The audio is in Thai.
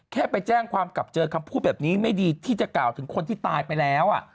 แค่ไปแจ้งความกลับเจอคำพูดแบบนี้ไม่ดีที่จะกล่าวถึงคนที่ตายไปแล้ว